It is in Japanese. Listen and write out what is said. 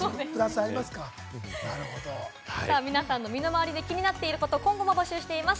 さぁ、皆さんの身の回りで気になってること、今後も募集しています。